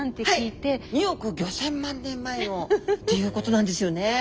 ２億５，０００万年前のということなんですよね。